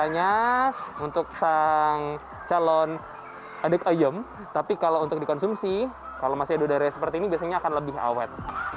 biasanya untuk sang calon adek ayam tapi kalau untuk dikonsumsi kalau masih ada udara seperti ini biasanya akan lebih awet